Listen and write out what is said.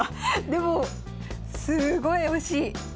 でもすごい惜しい。